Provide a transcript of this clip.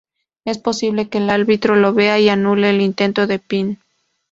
Es posible que el árbitro lo vea y anule el intento de pin.